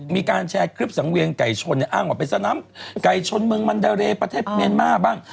มีการแชร์คลิปสังเวียงไก่ชนอ้างว่าเป็นสนามไก่ชนเมืองมันดาเรย์ประเทศเมียนมาร์บ้าง